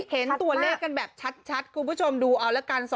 เห็นตัวเลขกันแบบชัดคุณผู้ชมดูเอาละกัน